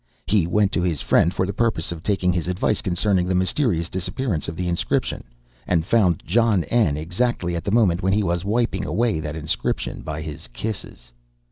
He went to his friend for the purpose of taking his advice concerning the mysterious disappearance of the inscription, and found John N. exactly at the moment when he was wiping away that inscription by his kisses.